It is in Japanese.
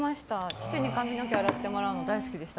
父に髪の毛を洗ってもらうの大好きでした。